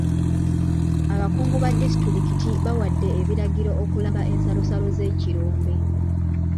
Abakungu ba disitulikiti bawadde ebiragiro okulamba ensalosalo z'ekirombe.